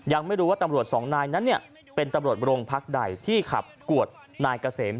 ยังไม่รู้ว่าตำรวจสองนายนั้นเป็นตำรวจโรงพักใดที่ขับกวดนายเกษม